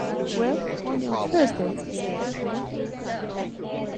‘Well, only on Thursdays,’ said the Queen.